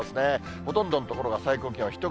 ほとんどの所が最高気温１桁。